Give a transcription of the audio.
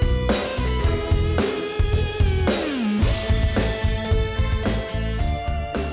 ong di luarpostan pun lu sendai